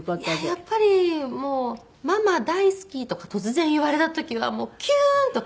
やっぱりもう「ママ大好き」とか突然言われた時はキューン！と。